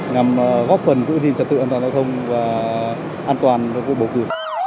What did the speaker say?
nhằm góp phần giữ gìn trật tự an toàn giao thông và an toàn cho cuộc bầu cử